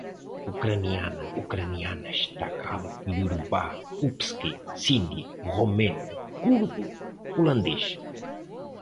Ucraniana, ucranianas, tagalo, iorubá, usbque, sindi, romeno, curdo, holandês